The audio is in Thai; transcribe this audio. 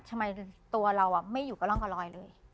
ทำไมตัวเราไม่อยู่กะล่องกะลอย